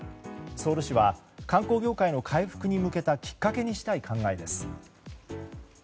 ソウル市は観光業界の回復に向けたきっかけにしたい考えです。